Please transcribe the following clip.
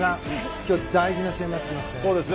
今日、大事な試合になってきますね。